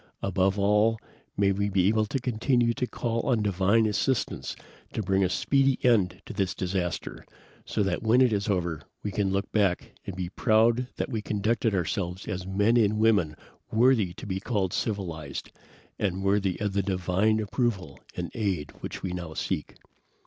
Above all, may we be able to continue to call on divine assistance to bring a speedy end to this disaster, so that when it is over we can look back and be proud that we conducted ourselves as men and women worthy to be called civilized, and worthy of the divine approval and aid which we now seek."